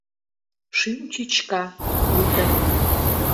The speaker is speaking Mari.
Шӱм чӱчка, лӱдын.